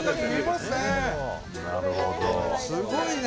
すごいな。